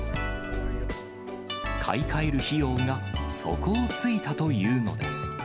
買い替える費用が底をついたというのです。